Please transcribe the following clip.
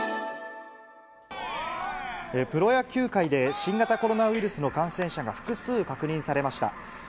プロ野球界で新型コロナウイルスの感染者が複数確認されました。